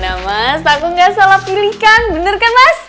nah mas aku gak salah pilihkan bener kan mas